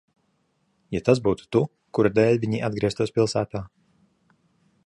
Ja tas būtu tu, kura dēļ viņi atgrieztos pilsētā?